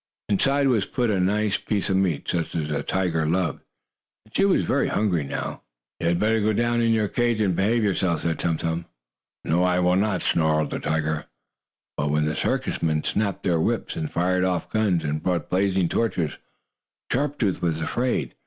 Inside was put a nice piece of meat, such as the tiger loved, and she was very hungry now. "You had better go down in your cage and behave yourself," said Tum Tum. "No, I will not!" snarled the tiger. But when the circus men snapped their whips, and fired off guns, and brought blazing torches, Sharp Tooth was afraid.